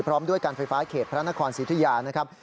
พร้อมด้วยการไฟฟ้าเขตพระนครสิทธิยานะครับ